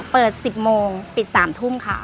เปิด๑๐โมงปิด๓ทุ่มค่ะ